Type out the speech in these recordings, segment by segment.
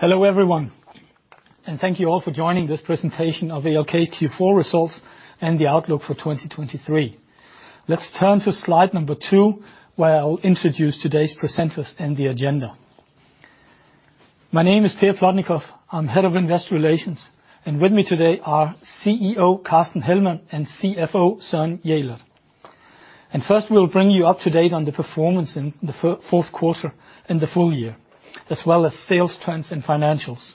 Hello, everyone, thank you all for joining this presentation of ALK Q4 results and the outlook for 2023. Let's turn to slide 2, where I'll introduce today's presenters and the agenda. My name is Per Plotnikof. I'm head of investor relations, with me today are CEO Carsten Hellmann and CFO Søren Jelert. First, we'll bring you up to date on the performance in the fourth quarter and the full year, as well as sales trends and financials.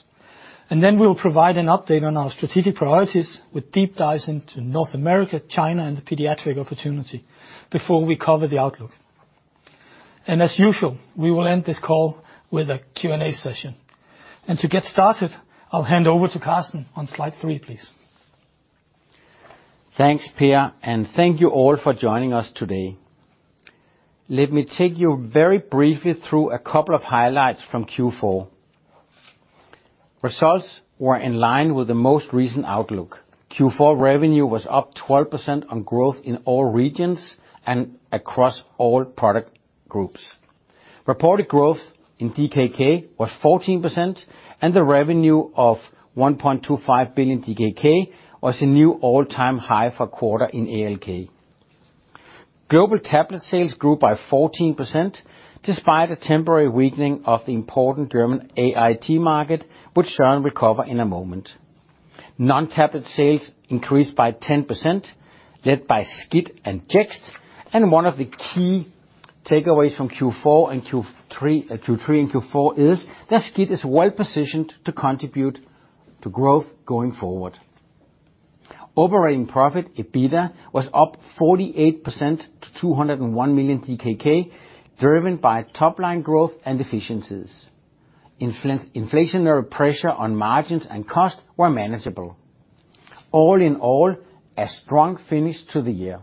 Then we'll provide an update on our strategic priorities with deep dives into North America, China, and the pediatric opportunity before we cover the outlook. As usual, we will end this call with a Q&A session. To get started, I'll hand over to Carsten on slide 3, please. Thanks, Per. Thank you all for joining us today. Let me take you very briefly through a couple of highlights from Q4. Results were in line with the most recent outlook. Q4 revenue was up 12% on growth in all regions and across all product groups. Reported growth in DKK was 14% and the revenue of 1.25 billion DKK was a new all-time high for a quarter in ALK. Global tablet sales grew by 14% despite a temporary weakening of the important German AIT market, which Søren will cover in a moment. Non-tablet sales increased by 10%, led by SCIT and Jext. One of the key takeaways from Q4 and Q3 and Q4 is that SCIT is well-positioned to contribute to growth going forward. Operating profit, EBITDA, was up 48% to 201 million, driven by top-line growth and efficiencies. Inflationary pressure on margins and costs were manageable. All in all, a strong finish to the year.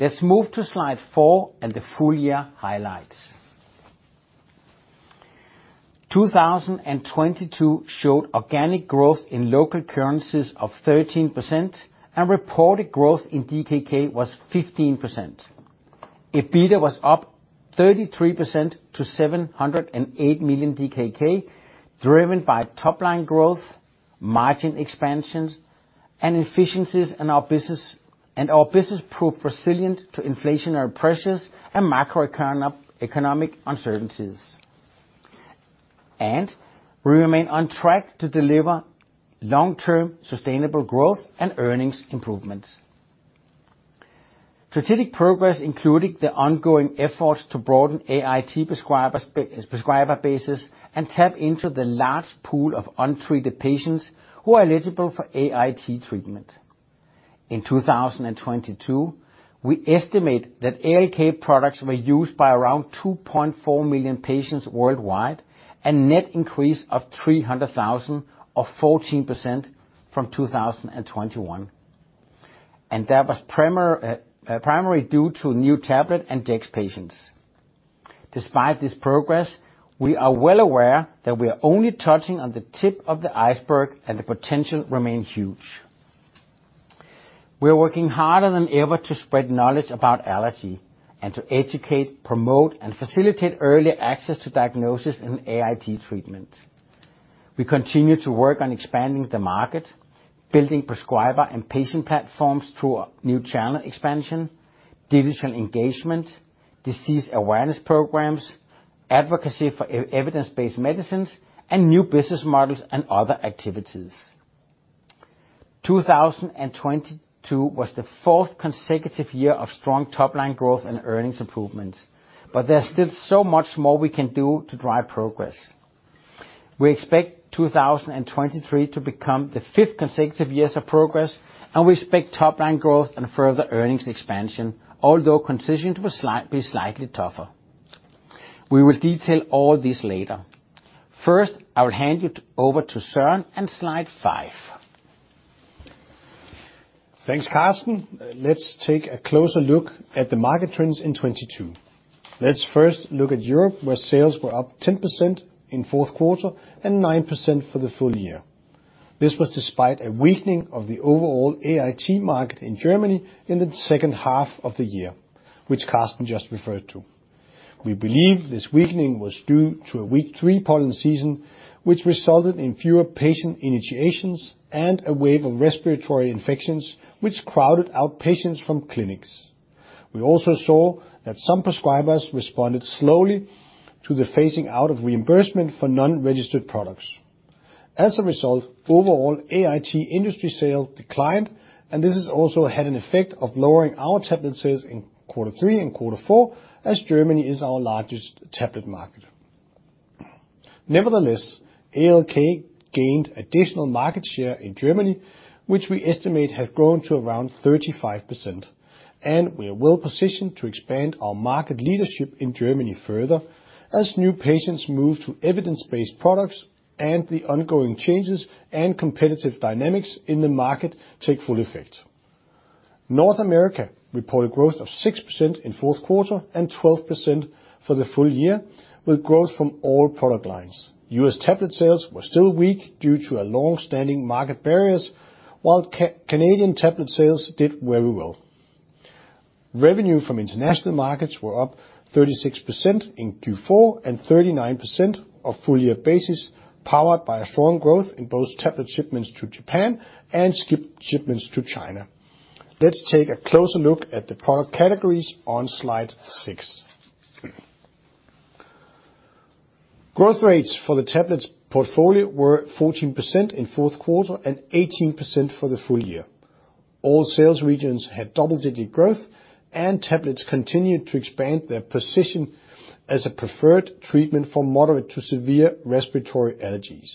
Let's move to slide 4 and the full year highlights. 2022 showed organic growth in local currencies of 13% and reported growth in DKK was 15%. EBITDA was up 33% to 708 million DKK, driven by top-line growth, margin expansions, and efficiencies in our business. Our business proved resilient to inflationary pressures and macroeconomic uncertainties. We remain on track to deliver long-term sustainable growth and earnings improvements. Strategic progress, including the ongoing efforts to broaden AIT prescriber bases and tap into the large pool of untreated patients who are eligible for AIT treatment. In 2022, we estimate that ALK products were used by around 2.4 million patients worldwide, a net increase of 300,000 or 14% from 2021, that was primarily due to new tablet and Jext patients. Despite this progress, we are well aware that we are only touching on the tip of the iceberg and the potential remains huge. We are working harder than ever to spread knowledge about allergy and to educate, promote, and facilitate early access to diagnosis in an AIT treatment. We continue to work on expanding the market, building prescriber and patient platforms through a new channel expansion, digital engagement, disease awareness programs, advocacy for evidence-based medicines, and new business models and other activities. 2022 was the fourth consecutive year of strong top-line growth and earnings improvements. There's still so much more we can do to drive progress. We expect 2023 to become the fifth consecutive years of progress. We expect top-line growth and further earnings expansion, although concessions will be slightly tougher. We will detail all this later. First, I will hand you over to Søren on slide 5. Thanks, Carsten. Let's take a closer look at the market trends in 2022. Let's first look at Europe, where sales were up 10% in fourth quarter and 9% for the full year. This was despite a weakening of the overall AIT market in Germany in the second half of the year, which Carsten just referred to. We believe this weakening was due to a weak 3 pollen season, which resulted in fewer patient initiations and a wave of respiratory infections, which crowded out patients from clinics. We also saw that some prescribers responded slowly to the phasing out of reimbursement for non-registered products. Overall AIT industry sales declined, and this has also had an effect of lowering our tablet sales in quarter three and quarter four as Germany is our largest tablet market. Nevertheless, ALK gained additional market share in Germany, which we estimate has grown to around 35%, and we are well-positioned to expand our market leadership in Germany further as new patients move to evidence-based products and the ongoing changes and competitive dynamics in the market take full effect. North America reported growth of 6% in fourth quarter and 12% for the full year. With growth from all product lines. U.S. tablet sales were still weak due to our long-standing market barriers, while Canadian tablet sales did very well. Revenue from international markets were up 36% in Q4 and 39% of full year basis, powered by a strong growth in both tablet shipments to Japan and SCIT shipments to China. Let's take a closer look at the product categories on slide 6. Growth rates for the tablets portfolio were 14% in fourth quarter and 18% for the full year. All sales regions had double-digit growth, and tablets continued to expand their position as a preferred treatment for moderate to severe respiratory allergies.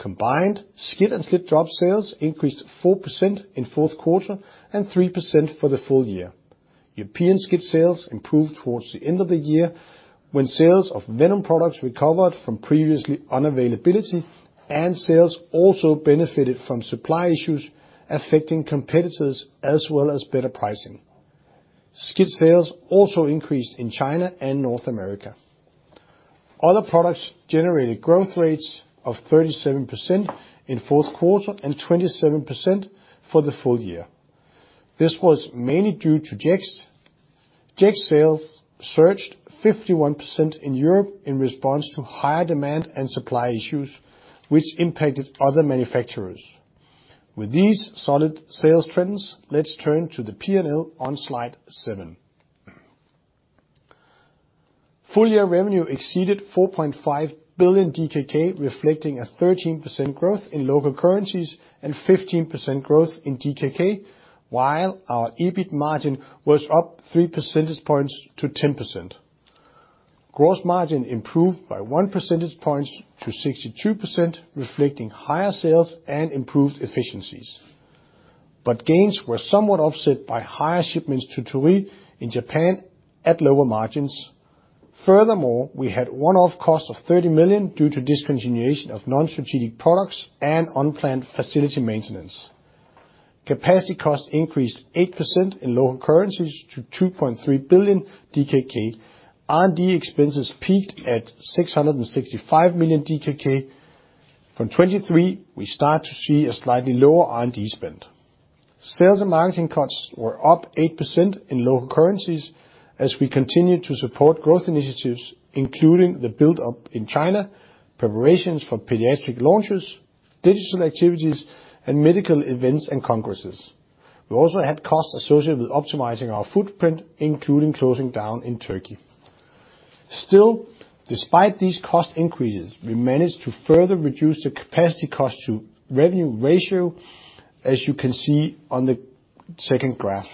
Combined, SCIT and SLIT drop sales increased 4% in fourth quarter and 3% for the full year. European SCIT sales improved towards the end of the year when sales of venom products recovered from previously unavailability, and sales also benefited from supply issues affecting competitors as well as better pricing. SCIT sales also increased in China and North America. Other products generated growth rates of 37% in fourth quarter and 27% for the full year. This was mainly due to Jext. Jext sales surged 51% in Europe in response to higher demand and supply issues which impacted other manufacturers. With these solid sales trends, let's turn to the P&L on slide 7. Full year revenue exceeded 4.5 billion DKK, reflecting a 13% growth in local currencies and 15% growth in DKK, while our EBIT margin was up 3 percentage points to 10%. Gross margin improved by 1 percentage points to 62%, reflecting higher sales and improved efficiencies. Gains were somewhat offset by higher shipments to Torii in Japan at lower margins. Furthermore, we had one-off cost of 30 million due to discontinuation of non-strategic products and unplanned facility maintenance. Capacity costs increased 8% in local currencies to 2.3 billion DKK. R&D expenses peaked at 665 million DKK. From 2023, we start to see a slightly lower R&D spend. Sales and marketing costs were up 8% in local currencies as we continue to support growth initiatives, including the build-up in China, preparations for pediatric launches, digital activities, and medical events and congresses. We also had costs associated with optimizing our footprint, including closing down in Turkey. Despite these cost increases, we managed to further reduce the capacity cost to revenue ratio, as you can see on the second graph.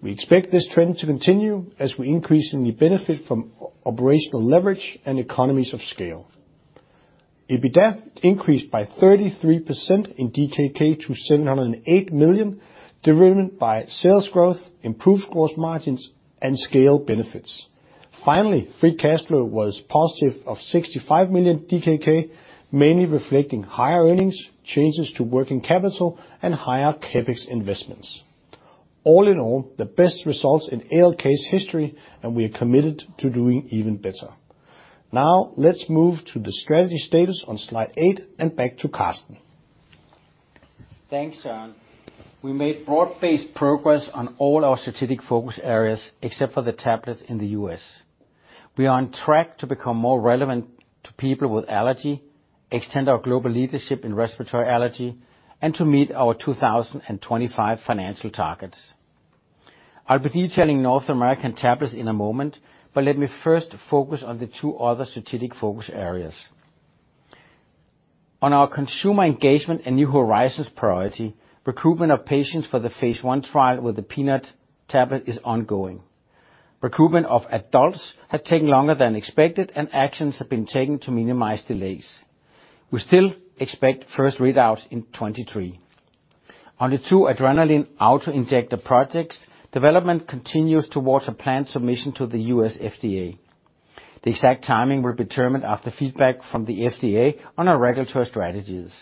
We expect this trend to continue as we increasingly benefit from operational leverage and economies of scale. EBITDA increased by 33% in DKK to 708 million DKK, driven by sales growth, improved gross margins, and scale benefits. Free cash flow was positive of 65 million DKK, mainly reflecting higher earnings, changes to working capital, and higher CapEx investments. All in all, the best results in ALK's history. We are committed to doing even better. Now let's move to the strategy status on slide eight and back to Carsten. Thanks, Søren. We made broad-based progress on all our strategic focus areas, except for the tablets in the U.S. We are on track to become more relevant to people with allergy, extend our global leadership in respiratory allergy, and to meet our 2025 financial targets. I'll be detailing North American tablets in a moment, but let me first focus on the two other strategic focus areas. On our consumer engagement and new horizons priority, recruitment of patients for the phase I trial with the peanut tablet is ongoing. Recruitment of adults have taken longer than expected, and actions have been taken to minimize delays. We still expect first readouts in 2023. On the two adrenaline auto-injector projects, development continues towards a planned submission to the U.S. FDA. The exact timing will be determined after feedback from the FDA on our regulatory strategies.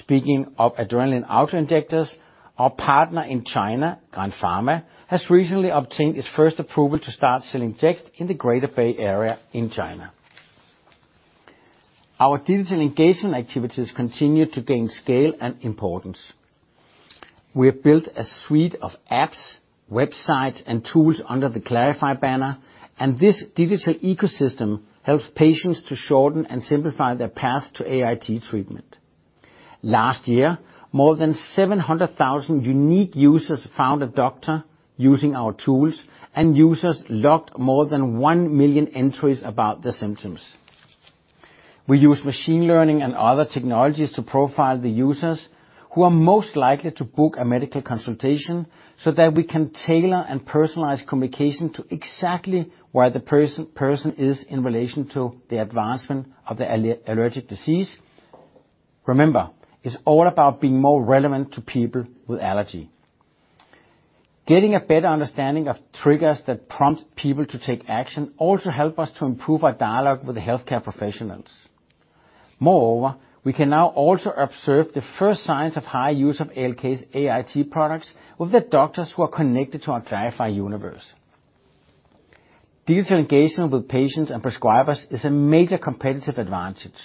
Speaking of adrenaline auto-injectors, our partner in China, Grand Pharma, has recently obtained its first approval to start selling Jext in the Greater Bay Area in China. Our digital engagement activities continue to gain scale and importance. We have built a suite of apps, websites, and tools under the klarify banner, and this digital ecosystem helps patients to shorten and simplify their path to AIT treatment. Last year, more than 700,000 unique users found a doctor using our tools, and users logged more than 1 million entries about their symptoms. We use machine learning and other technologies to profile the users who are most likely to book a medical consultation so that we can tailor and personalize communication to exactly where the person is in relation to the advancement of the allergic disease. Remember, it's all about being more relevant to people with allergy. Getting a better understanding of triggers that prompt people to take action also help us to improve our dialogue with the healthcare professionals. Moreover, we can now also observe the first signs of high use of ALK's AIT products with the doctors who are connected to our klarify universe. Digital engagement with patients and prescribers is a major competitive advantage.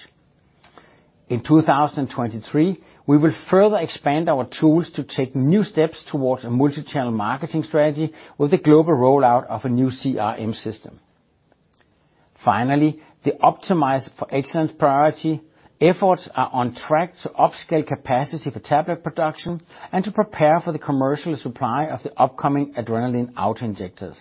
In 2023, we will further expand our tools to take new steps towards a multichannel marketing strategy with a global rollout of a new CRM system. Finally, the optimize for excellence priority efforts are on track to upscale capacity for tablet production and to prepare for the commercial supply of the upcoming adrenaline auto-injectors.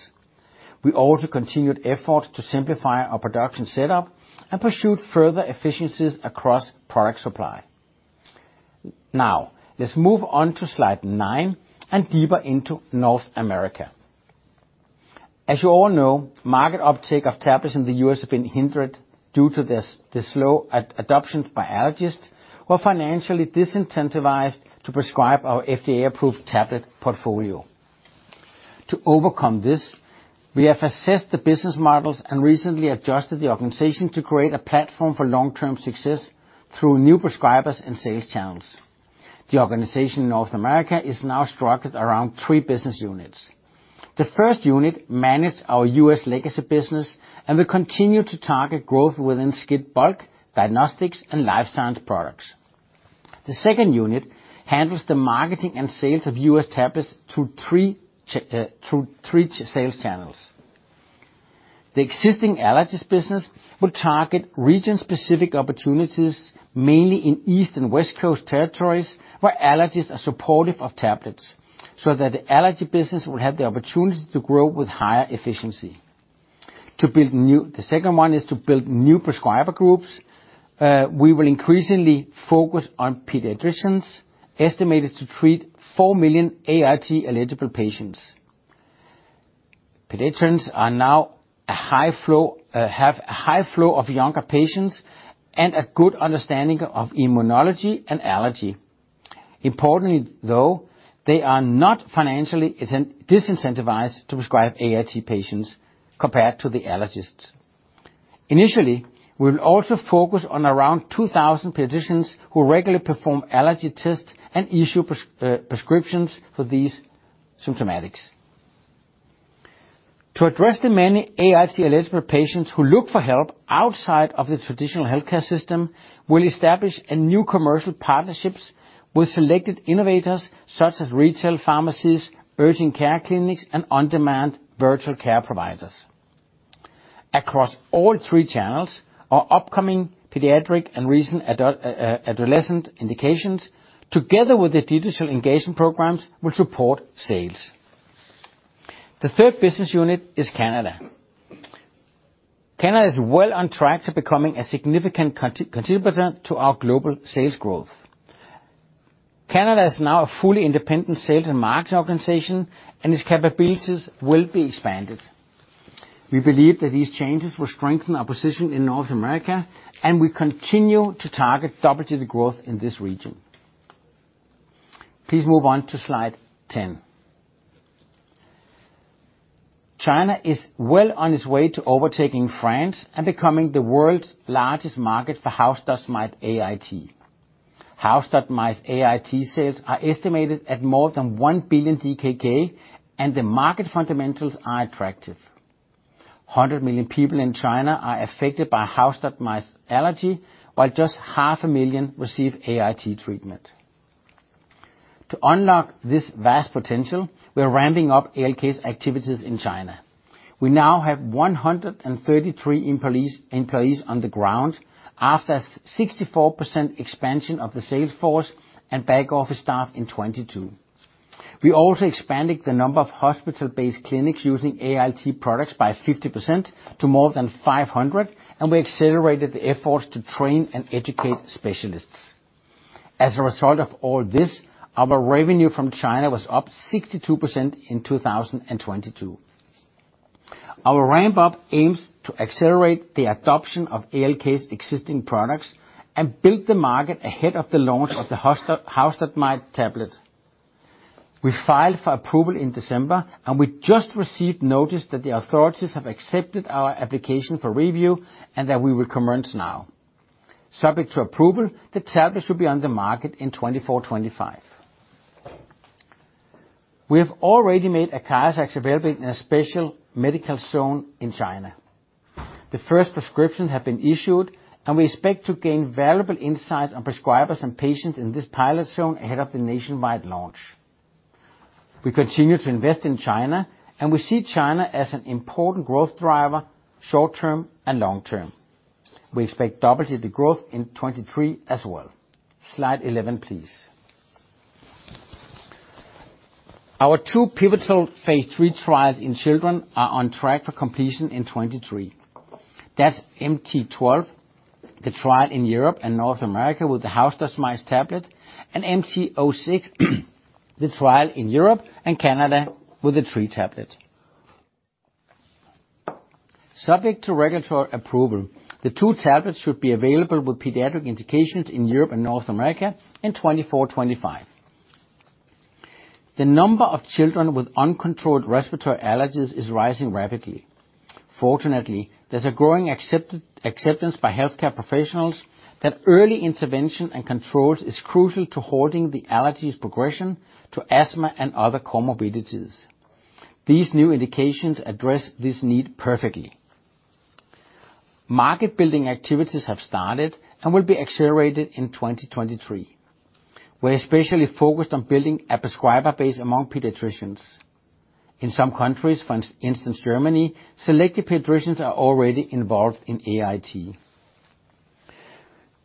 We also continued efforts to simplify our production setup and pursued further efficiencies across product supply. Let's move on to slide 9 and deeper into North America. As you all know, market uptake of tablets in the U.S. have been hindered due to this, the slow adoption by allergists who are financially disincentivized to prescribe our FDA-approved tablet portfolio. To overcome this, we have assessed the business models and recently adjusted the organization to create a platform for long-term success through new prescribers and sales channels. The organization in North America is now structured around three business units. The first unit managed our U.S. legacy business and will continue to target growth within SCIT bulk, diagnostics, and life science products. The second unit handles the marketing and sales of U.S. tablets through three sales channels. The existing allergist business will target region-specific opportunities, mainly in East and West Coast territories, where allergists are supportive of tablets, so that the allergy business will have the opportunity to grow with higher efficiency. The second one is to build new prescriber groups. We will increasingly focus on pediatricians, estimated to treat 4 million AIT-eligible patients. Pediatricians are now a high flow, have a high flow of younger patients and a good understanding of immunology and allergy. Importantly, though, they are not financially disincentivized to prescribe AIT patients compared to the allergists. Initially, we'll also focus on around 2,000 pediatricians who regularly perform allergy tests and issue prescriptions for these symptomatics. To address the many AIT-eligible patients who look for help outside of the traditional healthcare system, we'll establish a new commercial partnerships with selected innovators such as retail pharmacies, urgent care clinics, and on-demand virtual care providers. Across all three channels, our upcoming pediatric and recent adolescent indications, together with the digital engagement programs, will support sales. The third business unit is Canada. Canada is well on track to becoming a significant contributor to our global sales growth. Canada is now a fully independent sales and marketing organization, and its capabilities will be expanded. We believe that these changes will strengthen our position in North America, and we continue to target double-digit growth in this region. Please move on to slide 10. China is well on its way to overtaking France and becoming the world's largest market for house dust mite AIT. House dust mite AIT sales are estimated at more than 1 billion DKK, and the market fundamentals are attractive. 100 million people in China are affected by house dust mite allergy, while just half a million receive AIT treatment. To unlock this vast potential, we are ramping up ALK's activities in China. We now have 133 employees on the ground, after a 64% expansion of the sales force and back office staff in 2022. We also expanded the number of hospital-based clinics using AIT products by 50% to more than 500. We accelerated the efforts to train and educate specialists. As a result of all this, our revenue from China was up 62% in 2022. Our ramp up aims to accelerate the adoption of ALK's existing products and build the market ahead of the launch of the house dust mite tablet. We filed for approval in December, we just received notice that the authorities have accepted our application for review and that we will commence now. Subject to approval, the tablet should be on the market in 2024, 2025. We have already made ACARIZAX available in a special medical zone in China. The first prescriptions have been issued. We expect to gain valuable insights on prescribers and patients in this pilot zone ahead of the nationwide launch. We continue to invest in China. We see China as an important growth driver, short-term and long-term. We expect double-digit growth in 2023 as well. Slide 11, please. Our two pivotal phase III trials in children are on track for completion in 2023. That's MT-12, the trial in Europe and North America with the house dust mite tablet, and MT-06, the trial in Europe and Canada with the tree tablet. Subject to regulatory approval, the two tablets should be available with pediatric indications in Europe and North America in 2024, 2025. The number of children with uncontrolled respiratory allergies is rising rapidly. Fortunately, there's a growing acceptance by healthcare professionals that early intervention and controls is crucial to holding the allergies progression to asthma and other comorbidities. These new indications address this need perfectly. Market building activities have started and will be accelerated in 2023. We're especially focused on building a prescriber base among pediatricians. In some countries, for instance, Germany, selected pediatricians are already involved in AIT.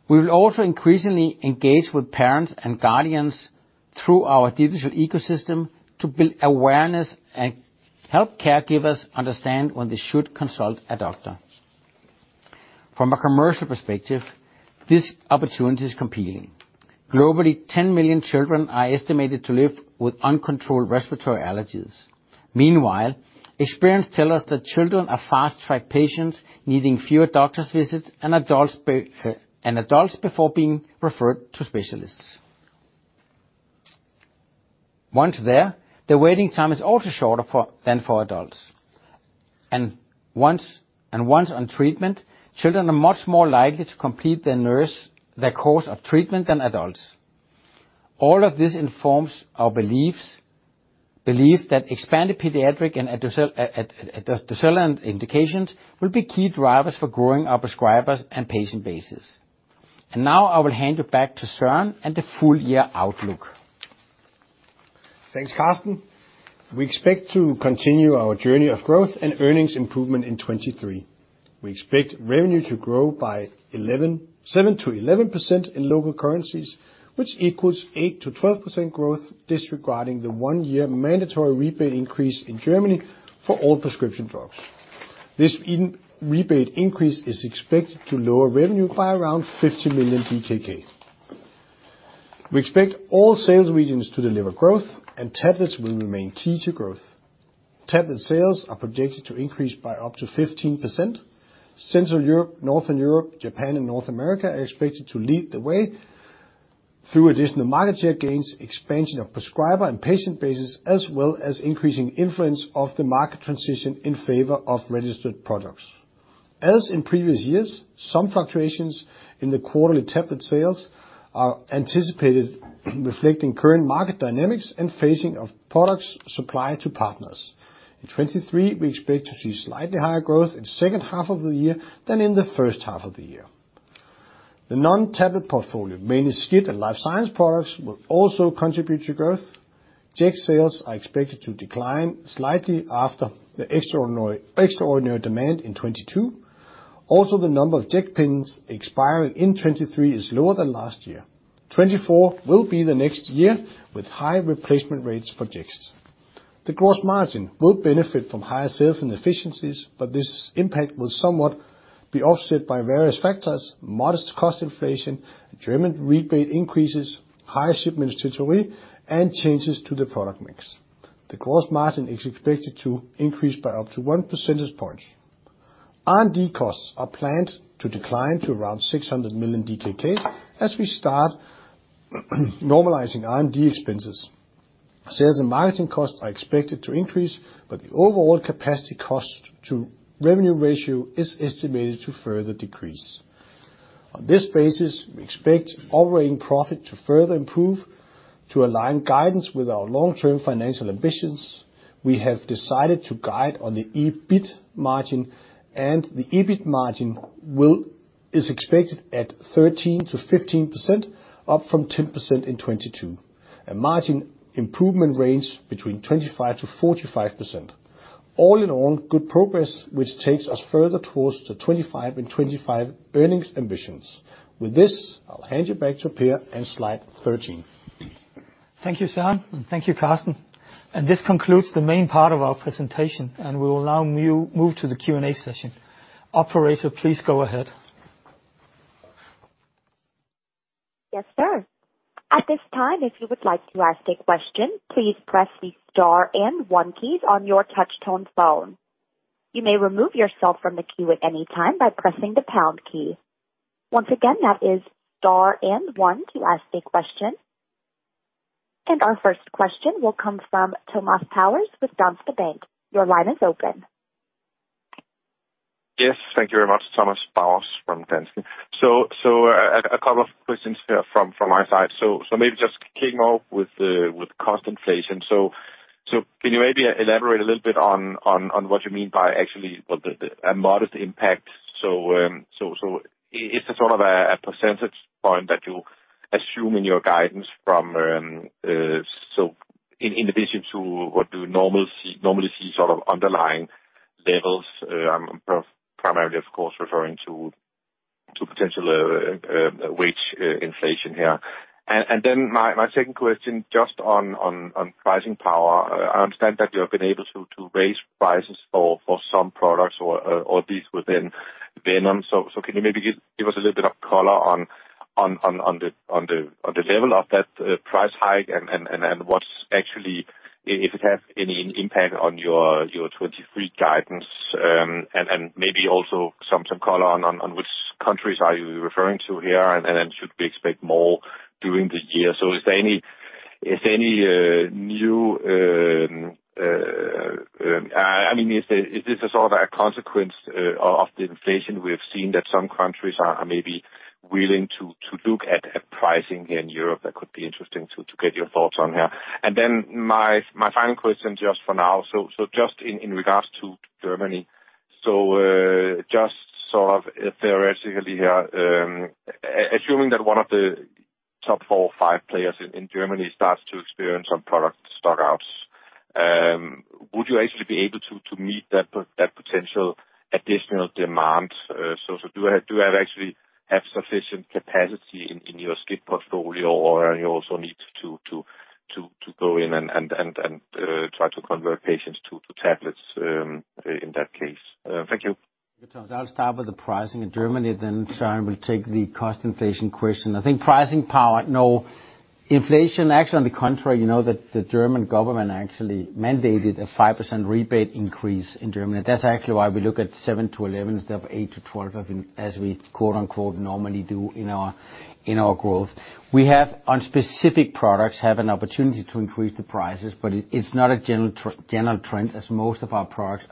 We will also increasingly engage with parents and guardians through our digital ecosystem to build awareness and help caregivers understand when they should consult a doctor. From a commercial perspective, this opportunity is competing. Globally, 10 million children are estimated to live with uncontrolled respiratory allergies. Meanwhile, experience tell us that children are fast-track patients needing fewer doctors visits and adults before being referred to specialists. Once there, the waiting time is also shorter than for adults. Once on treatment, children are much more likely to complete their course of treatment than adults. All of this informs our beliefs, belief that expanded pediatric and adult indications will be key drivers for growing our prescribers and patient bases. Now I will hand it back to Søren and the full year outlook. Thanks, Carsten. We expect to continue our journey of growth and earnings improvement in 2023. We expect revenue to grow by 7%-11% in local currencies, which equals 8%-12% growth disregarding the 1-year mandatory rebate increase in Germany for all prescription drugs. This rebate increase is expected to lower revenue by around 50 million DKK. We expect all sales regions to deliver growth, and tablets will remain key to growth. Tablet sales are projected to increase by up to 15%. Central Europe, Northern Europe, Japan and North America are expected to lead the way through additional market share gains, expansion of prescriber and patient bases, as well as increasing influence of the market transition in favor of registered products. As in previous years, some fluctuations in the quarterly tablet sales are anticipated, reflecting current market dynamics and phasing of products supplied to partners. In 2023, we expect to see slightly higher growth in the second half of the year than in the first half of the year. The non-tablet portfolio, mainly SCIT and life science products, will also contribute to growth. Jext sales are expected to decline slightly after the extraordinary demand in 2022. The number of Jext pins expiring in 2023 is lower than last year. 2024 will be the next year with high replacement rates for Jexts. The gross margin will benefit from higher sales and efficiencies, this impact will somewhat be offset by various factors, modest cost inflation, German rebate increases, higher shipments to Torii and changes to the product mix. The gross margin is expected to increase by up to one percentage point. R&D costs are planned to decline to around 600 million DKK as we start normalizing R&D expenses. Sales and marketing costs are expected to increase. The overall capacity cost to revenue ratio is estimated to further decrease. On this basis, we expect operating profit to further improve. To align guidance with our long-term financial ambitions, we have decided to guide on the EBIT margin. The EBIT margin is expected at 13%-15%, up from 10% in 2022. A margin improvement range between 25%-45%. All in all, good progress, which takes us further towards the 25 and 25 earnings ambitions. With this, I'll hand you back to Per and slide 13. Thank you, Søren. Thank you, Carsten. This concludes the main part of our presentation, and we will now move to the Q&A session. Operator, please go ahead. Yes, sir. At this time, if you would like to ask a question, please press the star and 1 keys on your touch tone phone. You may remove yourself from the queue at any time by pressing the pound key. Once again, that is star and 1 to ask a question. Our first question will come from Thomas Bowers with Danske Bank. Your line is open. Yes, thank you very much, Thomas Bowers from Danske. A couple of questions here from my side. Maybe just kicking off with cost inflation. Can you maybe elaborate a little bit on what you mean by actually, well, a modest impact? Is this sort of a percentage point that you assume in your guidance in addition to what do you normally see sort of underlying levels? I'm primarily of course, referring to potential wage inflation here. Then my second question just on pricing power. I understand that you have been able to raise prices for some products or at least within venom. Can you maybe give us a little bit of color on the level of that price hike and what's actually if it has any impact on your 23 guidance? Maybe also some color on which countries are you referring to here? Should we expect more during the year? Is there any new, I mean, is this a sort of a consequence of the inflation we have seen that some countries are maybe willing to look at pricing in Europe that could be interesting to get your thoughts on here? My final question just for now. Just in regards to Germany. Just sort of theoretically here, assuming that one of the top four or five players in Germany starts to experience some product stock-outs, would you actually be able to meet that potential additional demand? Do I actually have sufficient capacity in your SCIT portfolio or you also need to go in and try to convert patients to tablets in that case? Thank you. I'll start with the pricing in Germany. Søren will take the cost inflation question. I think pricing power. No inflation actually on the contrary, you know that the German government actually mandated a 5% rebate increase in Germany. That's actually why we look at 7%-11% instead of 8%-12% as we quote unquote, normally do in our growth. We have on specific products an opportunity to increase the prices, but it's not a general trend as most of our products,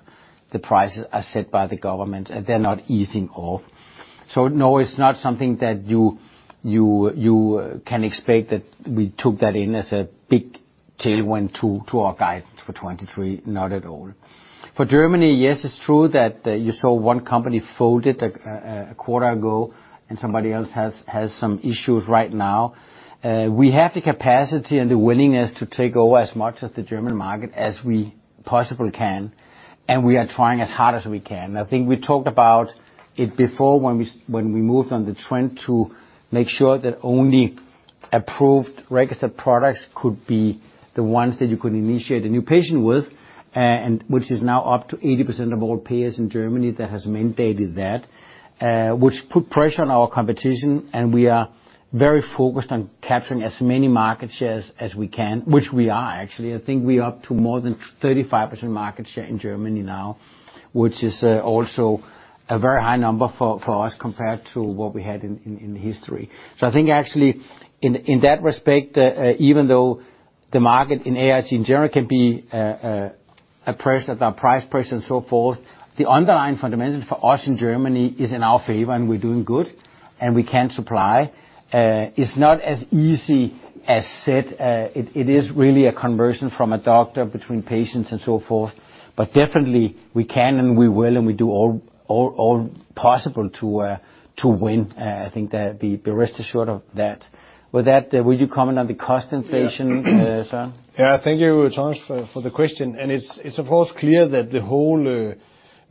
the prices are set by the government, and they're not easing off. No, it's not something that you can expect that we took that in as a big tailwind to our guidance for 2023. Not at all. For Germany, yes, it's true that you saw one company folded a quarter ago and somebody else has some issues right now. We have the capacity and the willingness to take over as much of the German market as we possibly can, and we are trying as hard as we can. I think we talked about it before when we moved on the trend to make sure that only approved registered products could be the ones that you could initiate a new patient with. Which is now up to 80% of all payers in Germany that has mandated that, which put pressure on our competition. We are very focused on capturing as many market shares as we can, which we are actually. I think we are up to more than 35% market share in Germany now, which is also a very high number for us compared to what we had in history. I think actually in that respect, even though the market in AIT in general can be oppressed at that price pressure and so forth, the underlying fundamentals for us in Germany is in our favor, and we're doing good, and we can supply. It's not as easy as said. It is really a conversion from a doctor between patients and so forth. Definitely we can, and we will, and we do all possible to win. I think be rest assured of that. With that, will you comment on the cost inflation, Søren? Yeah. Thank you, Thomas, for the question. It's of course clear that the whole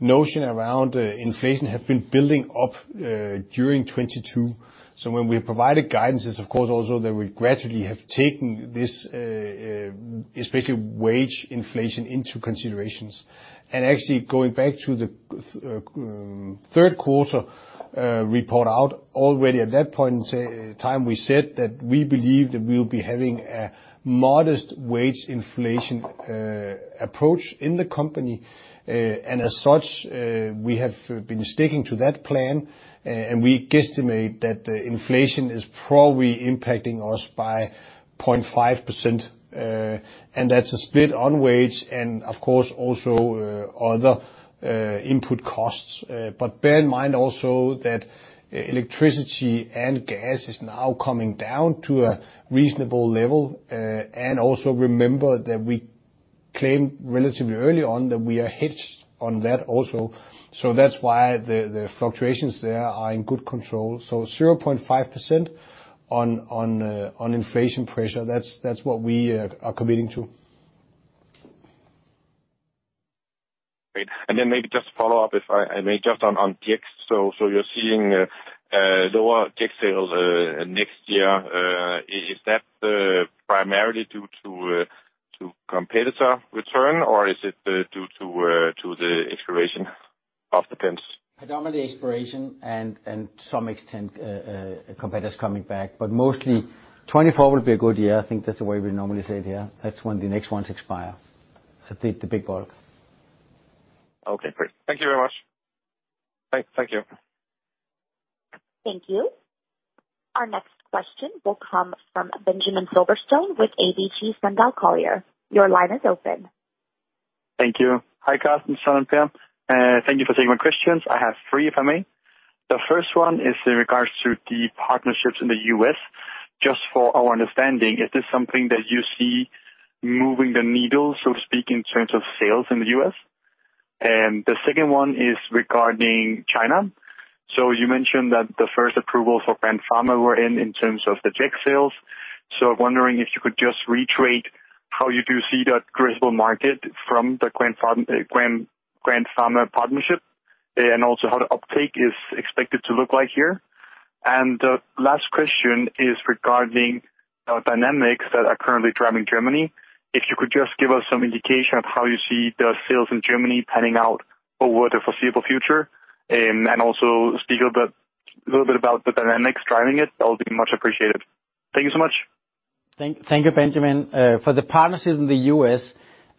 notion around inflation have been building up during 2022. When we provided guidance is of course, also that we gradually have taken this, especially wage inflation into considerations. Actually going back to the third quarter report out already at that point in time, we said that we believe that we will be having a modest wage inflation approach in the company. As such, we have been sticking to that plan. We guesstimate that inflation is probably impacting us by 0.5%, and that's a split on wage and of course also other input costs. Bear in mind also that electricity and gas is now coming down to a reasonable level. Also remember that we claimed relatively early on that we are hedged on that also. That's why the fluctuations there are in good control. 0.5% on inflation pressure. That's what we are committing to. Great. Then maybe just to follow up, if I may, just on GEX. You're seeing lower GEX sales next year. Is that primarily due to competitor return or is it due to the expiration of the pins? Predominantly expiration and some extent, competitors coming back. Mostly 2024 will be a good year. I think that's the way we normally say it here. That's when the next ones expire. I think the big bulk. Okay, great. Thank you very much. Thank you. Thank you. Our next question will come from Benjamin Silverstone with ABG Sundal Collier. Your line is open. Thank you. Hi, Carsten and Søren Jelert, thank you for taking my questions. I have three, if I may. The first one is in regards to the partnerships in the U.S. Just for our understanding, is this something that you see moving the needle, so to speak, in terms of sales in the U.S.? The second one is regarding China. You mentioned that the first approvals for Grand Pharma were in terms of the GEX sales. Wondering if you could just reiterate how you do see that addressable market from the Grand Pharma partnership and also how the uptake is expected to look like here. The last question is regarding dynamics that are currently driving Germany. If you could just give us some indication of how you see the sales in Germany panning out over the foreseeable future and also speak of the A little bit about the dynamics driving it, that would be much appreciated. Thank you so much. Thank you, Benjamin. For the partners in the U.S.,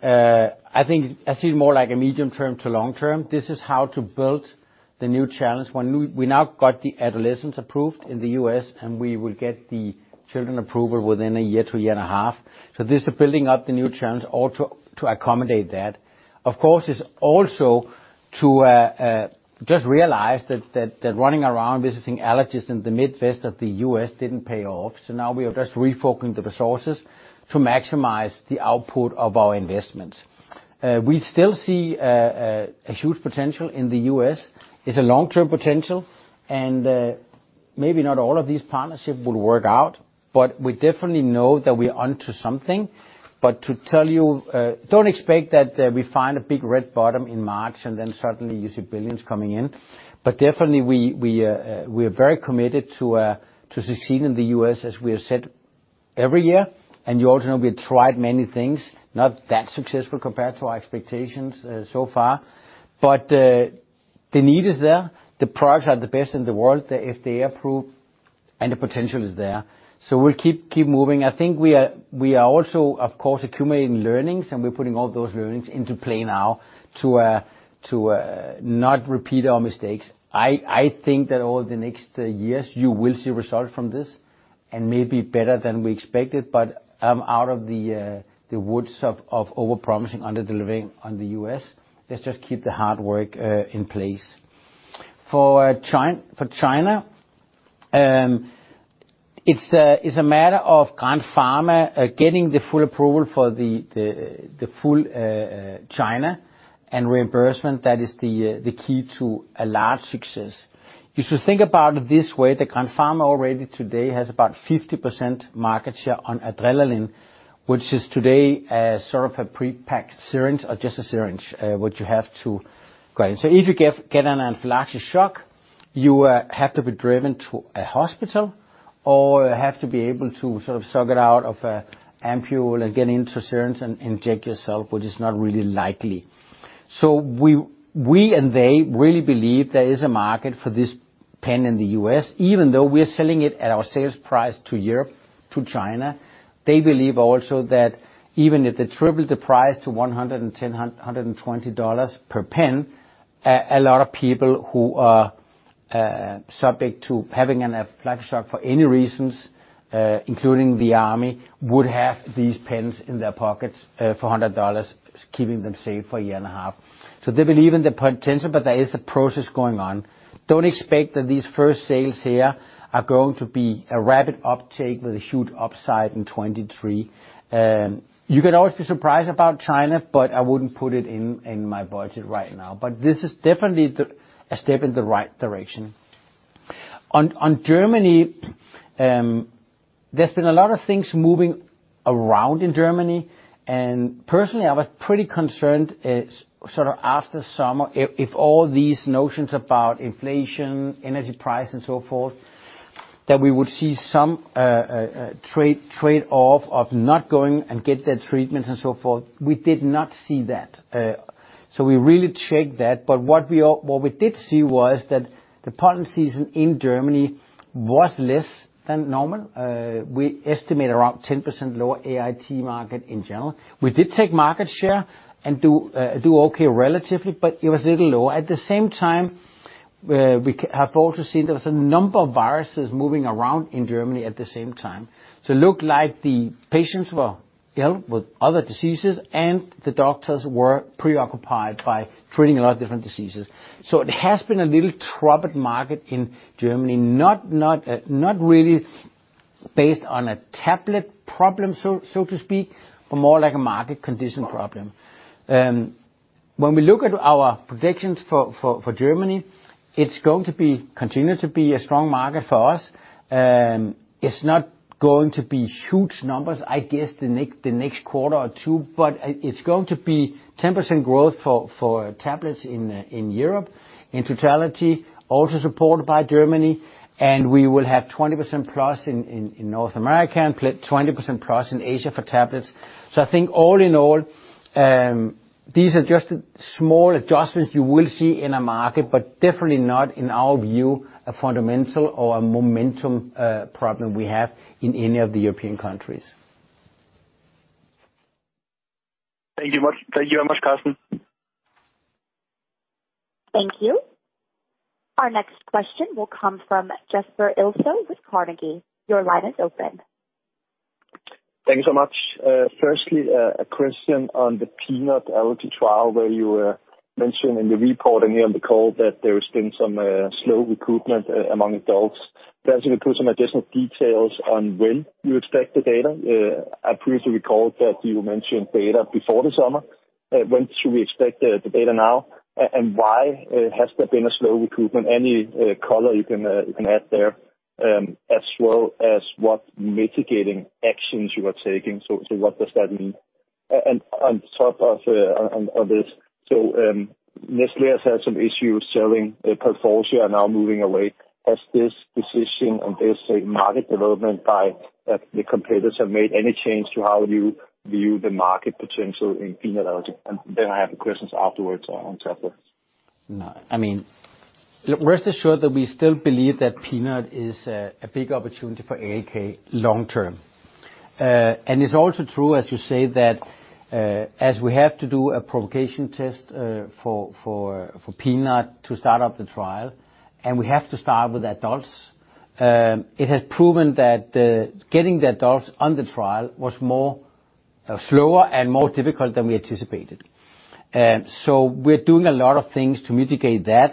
I think I see it more like a medium term to long term. This is how to build the new challenge when we now got the adolescents approved in the U.S., and we will get the children approval within a year to a year and a half. This is building up the new challenge all to accommodate that. Of course, it's also to just realize that running around visiting allergists in the Midwest of the U.S. didn't pay off. Now we are just refocusing the resources to maximize the output of our investments. We still see a huge potential in the U.S. It's a long-term potential, and maybe not all of these partnerships will work out, but we definitely know that we're onto something. To tell you, don't expect that we find a big red bottom in March, and then suddenly you see billions coming in. Definitely we're very committed to succeed in the US as we have said every year. You also know we have tried many things, not that successful compared to our expectations, so far. The need is there. The products are the best in the world if they approve, and the potential is there. We'll keep moving. I think we are also, of course, accumulating learnings, and we're putting all those learnings into play now to not repeat our mistakes. I think that over the next years you will see results from this and maybe better than we expected, but I'm out of the woods of over-promising, under-delivering on the U.S. Let's just keep the hard work in place. For China, it's a matter of Gran Pharma getting the full approval for the full China and reimbursement. That is the key to a large success. You should think about it this way, that Gran Pharma already today has about 50% market share on adrenaline, which is today a sort of a prepacked syringe or just a syringe, which you have to Thank you much. Thank you very much, Carsten. Thank you. Our next question will come from Jesper Ilsøe with Carnegie. Your line is open. Thank you so much. Firstly, a question on the peanut allergy trial where you were mentioning in the report and here on the call that there has been some slow recruitment among adults. Can you please include some additional details on when you expect the data? I previously recall that you mentioned data before the summer. When should we expect the data now, and why has there been a slow recruitment? Any color you can add there, as well as what mitigating actions you are taking. What does that mean? On top of this, Nestlé has had some issues selling Palforzia and now moving away. Has this decision and this, market development by, the competitors have made any change to how you view the market potential in peanut allergy? Then I have questions afterwards on top of it. No. I mean, rest assured that we still believe that peanut is a big opportunity for ALK long term. It's also true, as you say, that, as we have to do a provocation test for peanut to start up the trial, and we have to start with adults, it has proven that getting the adults on the trial was more slower and more difficult than we anticipated. We're doing a lot of things to mitigate that.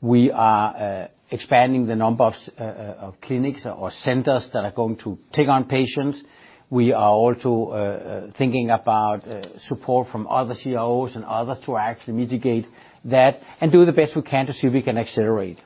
We are expanding the number of clinics or centers that are going to take on patients. We are also thinking about support from other COOs and others to actually mitigate that and do the best we can to see if we can accelerate.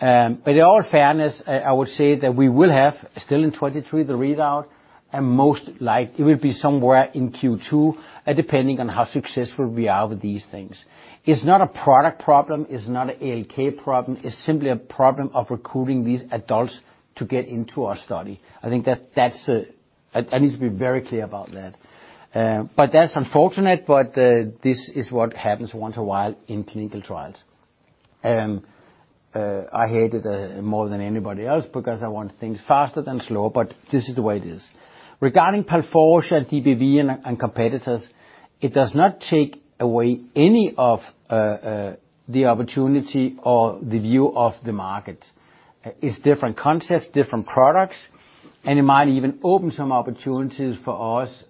In all fairness, I would say that we will have still in 2023 the readout, and most like it will be somewhere in Q2, depending on how successful we are with these things. It's not a product problem, it's not an ALK problem, it's simply a problem of recruiting these adults to get into our study. I think that's, I need to be very clear about that. That's unfortunate, but this is what happens once a while in clinical trials. I hate it, more than anybody else because I want things faster than slower, but this is the way it is. Regarding Palforzia, DBV, and competitors, it does not take away any of the opportunity or the view of the market. It's different concepts, different products, and it might even open some opportunities for us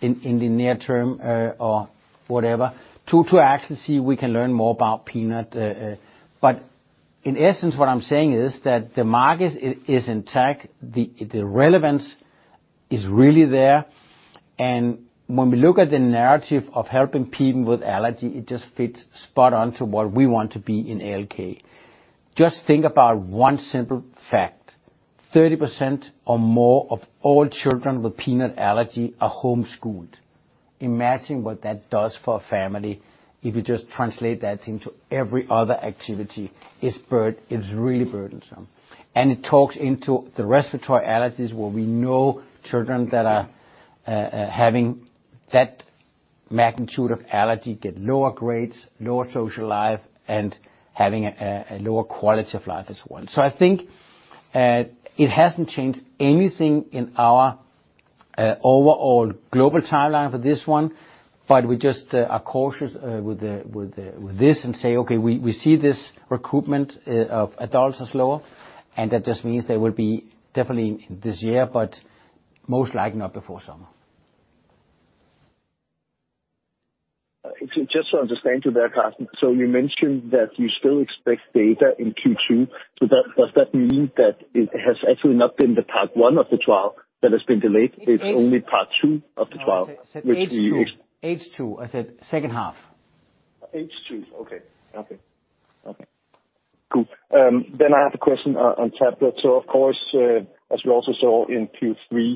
in the near term or whatever to actually see if we can learn more about peanut. In essence, what I'm saying is that the market is intact, the relevance is really there. When we look at the narrative of helping people with allergy, it just fits spot on to what we want to be in ALK. Just think about one simple fact, 30% or more of all children with peanut allergy are homeschooled. Imagine what that does for a family if you just translate that into every other activity. It's really burdensome. It talks into the respiratory allergies, where we know children that are having that magnitude of allergy get lower grades, lower social life, and having a lower quality of life as one. I think it hasn't changed anything in our overall global timeline for this one, but we just are cautious with this and say, Okay, we see this recruitment of adults is lower, and that just means they will be definitely this year, but most likely not before summer. Just to understand you there, Carsten, you mentioned that you still expect data in Q2. Does that mean that it has actually not been the part one of the trial that has been delayed, it's only part two of the trial which we... No, I said H2. H2. I said second half. H2, okay. Okay. Okay. Cool. I have a question on tablets. Of course, as we also saw in Q3,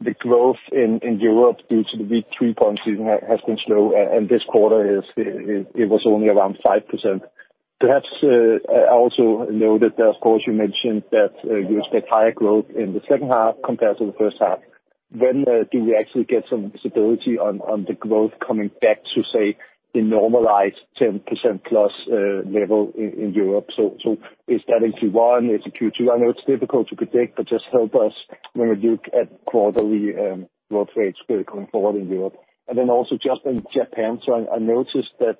the growth in Europe due to the weak 3 point season has been slow, and this quarter was only around 5%. Perhaps, I also noted that, of course, you mentioned that you expect higher growth in the second half compared to the first half. When do we actually get some stability on the growth coming back to, say, the normalized 10%+ level in Europe? Is that in Q1? Is it Q2? I know it's difficult to predict, but just help us when we look at quarterly growth rates going forward in Europe. Also just in Japan. I noticed that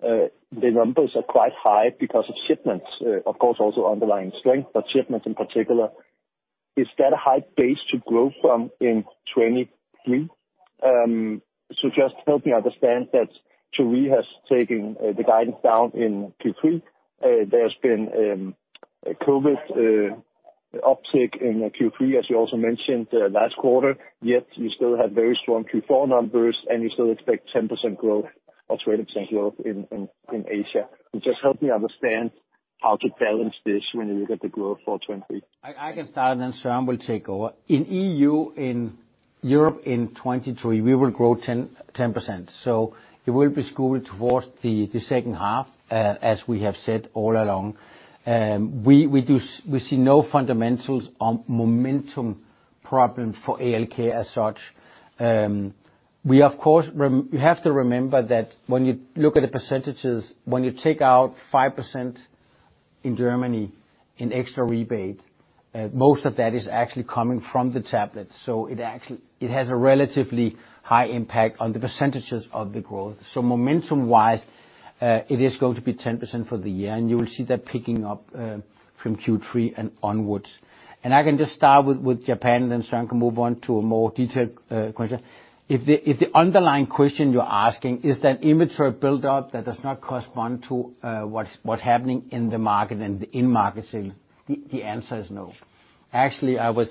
the numbers are quite high because of shipments, of course, also underlying strength, but shipments in particular. Is that a high base to grow from in 2023? Just help me understand that Soren has taken the guidance down in Q3. There's been a COVID uptick in Q3, as you also mentioned last quarter, yet you still have very strong Q4 numbers, and you still expect 10% growth or 20% growth in Asia. Just help me understand how to balance this when you look at the growth for 2023. I can start, and then Søren will take over. In EU, in Europe in 2023, we will grow 10%. It will be skewed towards the second half, as we have said all along. We see no fundamentals on momentum problem for ALK as such. We of course you have to remember that when you look at the percentages, when you take out 5% in Germany in extra rebate, most of that is actually coming from the tablets. It has a relatively high impact on the percentages of the growth. Momentum-wise, it is going to be 10% for the year, and you will see that picking up from Q3 and onwards. I can just start with Japan, and then Søren can move on to a more detailed question. If the underlying question you're asking is there inventory build-up that does not correspond to what's happening in the market and the in-market sales, the answer is no. Actually, I was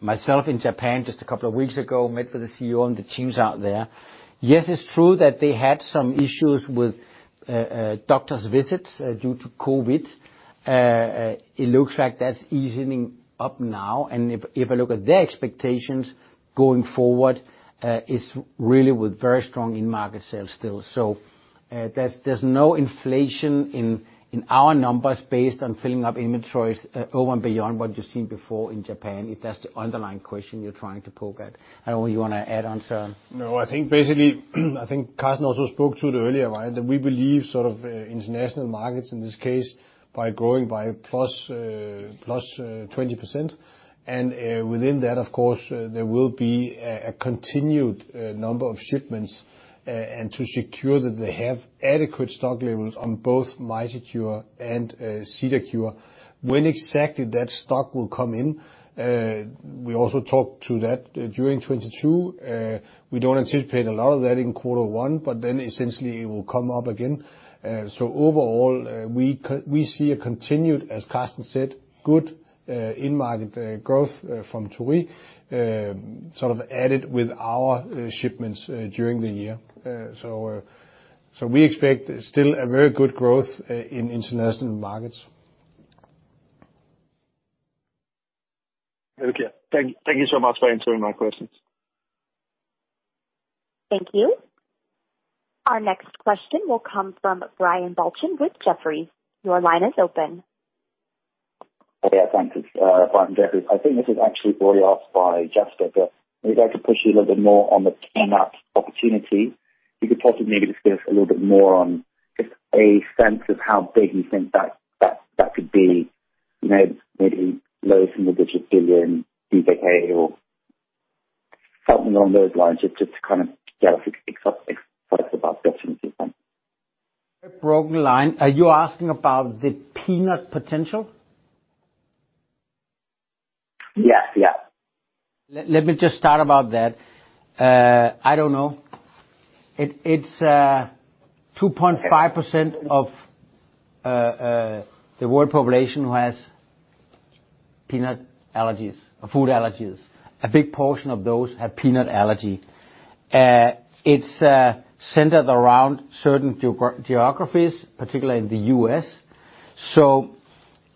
myself in Japan just a couple of weeks ago, met with the CEO and the teams out there. Yes, it's true that they had some issues with doctor's visits due to COVID. It looks like that's easing up now, and if I look at their expectations going forward, it's really with very strong in-market sales still. There's no inflation in our numbers based on filling up inventories over and beyond what you've seen before in Japan, if that's the underlying question you're trying to poke at. I know you wanna add on, Søren. No, I think basically, I think Carsten Hellmann also spoke to it earlier, right? We believe sort of international markets in this case by growing by plus 20%. Within that, of course, there will be a continued number of shipments and to secure that they have adequate stock levels on both MiSecure and CedarCure. When exactly that stock will come in, we also talked to that during 2022. We don't anticipate a lot of that in Q1, essentially it will come up again. Overall, we see a continued, as Carsten Hellmann said, good in market growth from Torii, sort of added with our shipments during the year. We expect still a very good growth in international markets. Very clear. Thank you so much for answering my questions. Thank you. Our next question will come from Peter Welford with Jefferies. Your line is open. Thanks. Peter Welford from Jefferies. I think this was actually already asked by Jessica, but maybe I could push you a little bit more on the peanut opportunity. You could possibly maybe discuss a little bit more on just a sense of how big you think that could be, you know, maybe low single-digit DKK billion or something along those lines, just to kind of get a specific product about differences then. A broken line. Are you asking about the peanut potential? Yes. Yeah. Let me just start about that. I don't know. It's 2.5% of the world population who has peanut allergies or food allergies. A big portion of those have peanut allergy. It's centered around certain geographies, particularly in the US.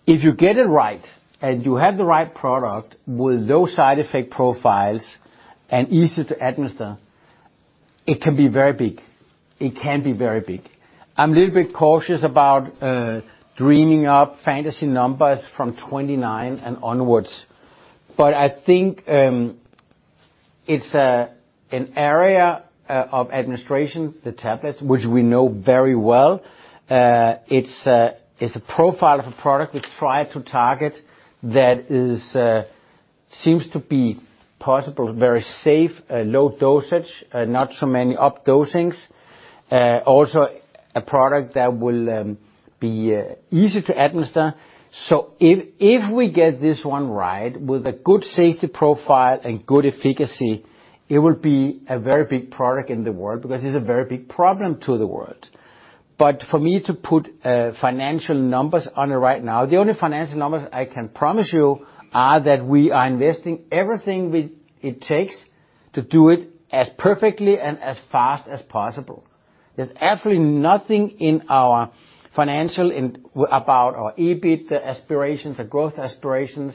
If you get it right, and you have the right product with low side effect profiles and easy to administer, it can be very big. It can be very big. I'm a little bit cautious about dreaming up fantasy numbers from 2029 and onwards. I think it's an area of administration, the tablets, which we know very well. It's a profile of a product we try to target that is seems to be possible, very safe, low dosage, not so many up dosings. also a product that will be easy to administer. If we get this one right with a good safety profile and good efficacy, it will be a very big product in the world because it's a very big problem to the world. For me to put financial numbers on it right now, the only financial numbers I can promise you are that we are investing everything it takes to do it as perfectly and as fast as possible. There's absolutely nothing in our financial about our EBIT aspirations or growth aspirations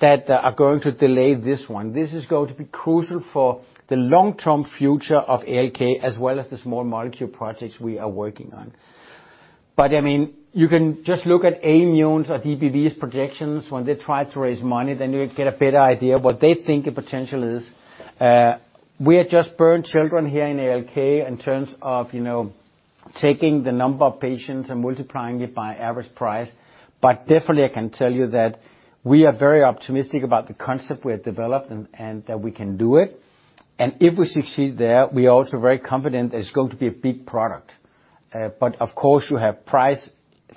that are going to delay this one. This is going to be crucial for the long-term future of ALK, as well as the small molecule projects we are working on. I mean, you can just look at Aimmune's or DBV's projections when they try to raise money, you'll get a better idea what they think the potential is. We are just burnt children here in ALK in terms of, you know, taking the number of patients and multiplying it by average price. Definitely, I can tell you that we are very optimistic about the concept we have developed and that we can do it. If we succeed there, we are also very confident that it's going to be a big product. Of course you have price,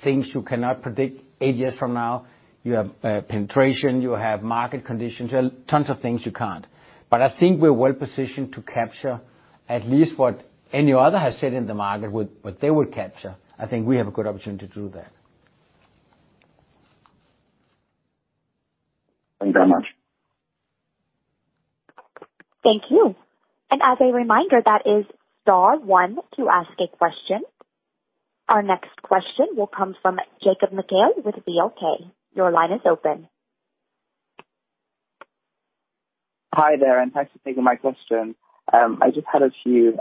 things you cannot predict eight years from now. You have penetration, you have market conditions. There are tons of things you can't. I think we're well-positioned to capture at least what any other has said in the market would, what they would capture. I think we have a good opportunity to do that. Thank you very much. Thank you. As a reminder, that is star one to ask a question. Our next question will come from Jacob Mekhael with KBC. Your line is open. Hi there, thanks for taking my question. I just had a few.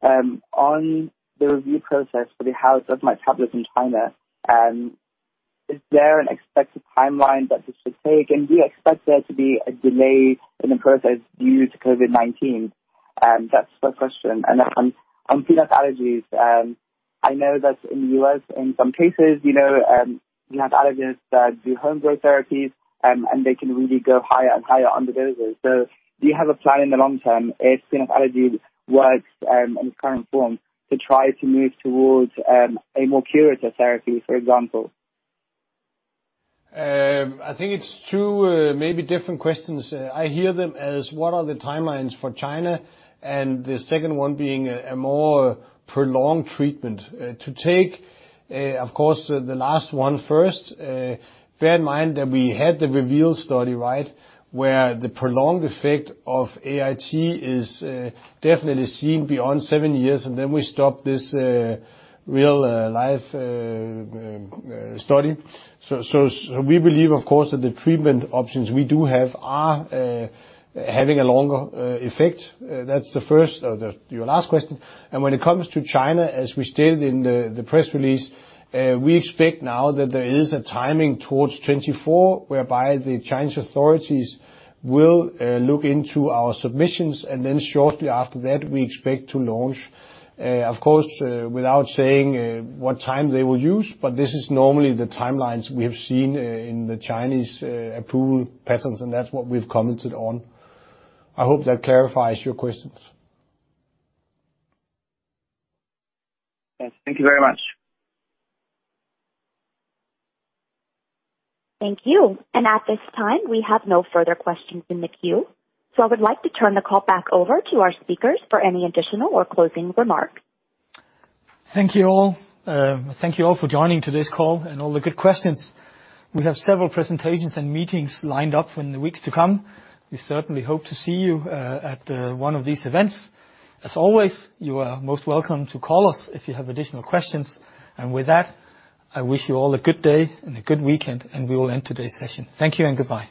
On the review process for the house dust mite tablet in China, is there an expected timeline that this should take? Do you expect there to be a delay in the process due to COVID-19? That's the question. On, on peanut allergies, I know that in the U.S., in some cases, you know, you have allergists that do home grow therapies, and they can really go higher and higher on the doses. Do you have a plan in the long term if peanut allergy works, in its current form to try to move towards, a more curative therapy, for example? I think it's two, maybe different questions. I hear them as what are the timelines for China, and the second one being a more prolonged treatment. To take, of course, the last one first, bear in mind that we had the Reveal study, right? Where the prolonged effect of AIT is definitely seen beyond seven years, and then we stop this real life study. We believe, of course, that the treatment options we do have are having a longer effect. That's the first or your last question. When it comes to China, as we stated in the press release, we expect now that there is a timing towards 2024, whereby the Chinese authorities will look into our submissions, and then shortly after that, we expect to launch. Of course, without saying, what time they will use, but this is normally the timelines we have seen, in the Chinese, approval patterns, and that's what we've commented on. I hope that clarifies your questions. Yes. Thank you very much. Thank you. At this time, we have no further questions in the queue. I would like to turn the call back over to our speakers for any additional or closing remarks. Thank you all. Thank you all for joining today's call and all the good questions. We have several presentations and meetings lined up in the weeks to come. We certainly hope to see you at one of these events. As always, you are most welcome to call us if you have additional questions. With that, I wish you all a good day and a good weekend, and we will end today's session. Thank you and goodbye.